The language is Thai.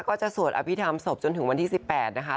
ก็จะสวดอภิษฐรรมศพจนถึงวันที่๑๘นะคะ